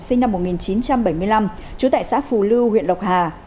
đặng danh bình sinh năm một nghìn chín trăm bảy mươi năm trú tại xã phù lưu huyện lộc hà